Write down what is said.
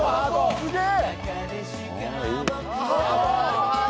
すげえ！